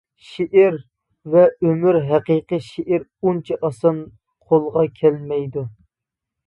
شېئىر ۋە ئۆمۈر ھەقىقىي شېئىر ئۇنچە ئاسان قولغا كەلمەيدۇ.